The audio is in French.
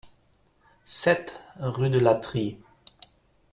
sept rue de L'Atrie